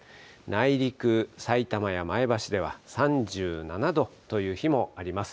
内陸、さいたまや前橋では３７度という日もあります。